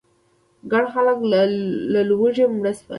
ګڼ خلک له لوږې مړه شول.